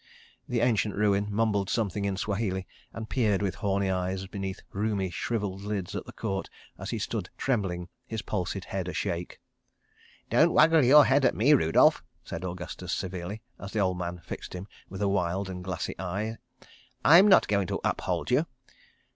The ancient ruin mumbled something in Swahili, and peered with horny eyes beneath rheumy, shrivelled lids at the Court, as he stood trembling, his palsied head ashake. "Don't waggle your head at me, Rudolph," said Augustus severely, as the old man fixed him with a wild and glassy eye. "I'm not going to uphold you.